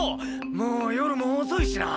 もう夜も遅いしな。